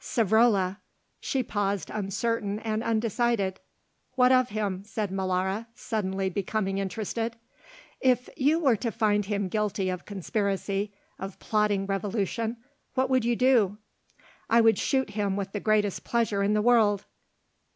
"Savrola " She paused uncertain and undecided. "What of him?" said Molara, suddenly becoming interested. "If you were to find him guilty of conspiracy, of plotting revolution, what would you do?" "I should shoot him with the greatest pleasure in the world."